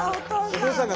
お父さん。